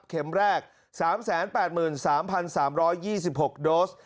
เข็มแรกสามแสนแปดหมื่นสามพันสามร้อยยี่สิบหกโดส